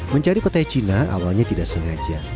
mencari petai cina awalnya tidak sengaja